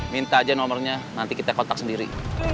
minta aja nomernya nanti kita kotak sendiri